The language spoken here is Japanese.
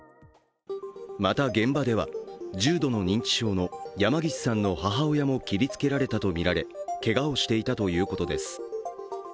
また現場では、重度の認知症の山岸さんの母親も切りつけられたとみられけがをしていたということです。